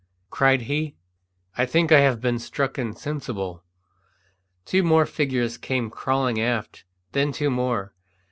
cried he. "I think I have been struck insensible." Two more figures came crawling aft. Then two more.